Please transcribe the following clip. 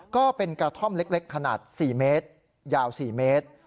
ก็เป็นกระท่อมเล็กขนาด๔เมตรยาว๔เมตร